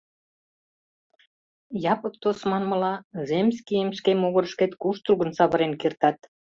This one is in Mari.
Япык тос манмыла, земскийым шке могырышкет куштылгын савырен кертат.